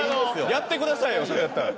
やってくださいよそれやったら。